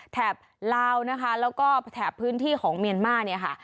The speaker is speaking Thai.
ลาวนะคะแล้วก็แถบพื้นที่ของเมียนมาเนี่ยค่ะ